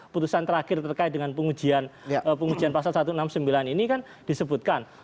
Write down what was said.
putusan terakhir terkait dengan pengujian pasal satu ratus enam puluh sembilan ini kan disebutkan